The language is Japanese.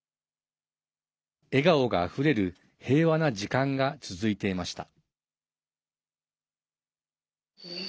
笑顔があふれる平和な時間が続いていました。